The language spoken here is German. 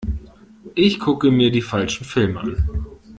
Ich gucke mir die falschen Filme an.